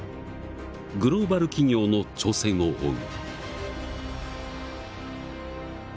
グローバル企業の挑戦を追う。